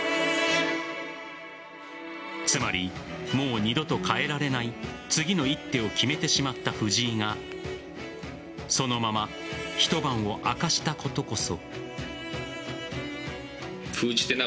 つまり、もう二度と変えられない次の一手を決めてしまった藤井がそのまま一晩を明かしたことこそ。